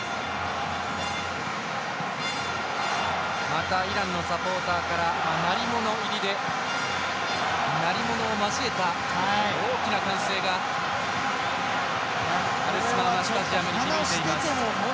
またイランのサポーターから鳴り物を交えた大きな歓声がアルスマーマスタジアムに響いています。